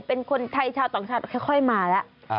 เป็นคนไทยชาวต่างชาติค่อยมาแล้ว